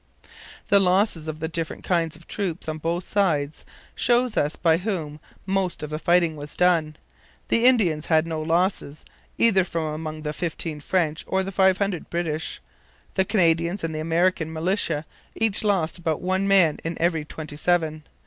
The losses of the different kinds of troops on both sides show us by whom most of the fighting was done. The Indians had no losses, either from among the 15 French or the 500 British. The Canadians and the American militia each lost about one man in every twenty seven.